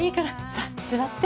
さあ座って。